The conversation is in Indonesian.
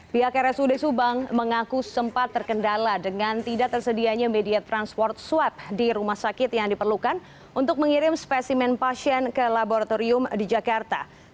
pihak rsud subang mengaku sempat terkendala dengan tidak tersedianya media transport swab di rumah sakit yang diperlukan untuk mengirim spesimen pasien ke laboratorium di jakarta